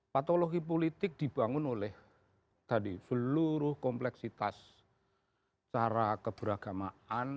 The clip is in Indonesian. patologi politik dibangun oleh tadi seluruh kompleksitas cara keberagamaan